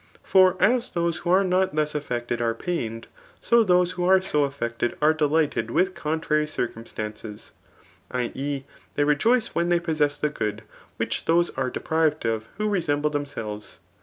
For as those who a^re notcthus affectedare pained, so' those who are so affected are deEghfed with contrary circuntfitance^, [i. e. theyTejoicei; ^hevi they possess the good which those aredeprived of who ce8end>ie themselves.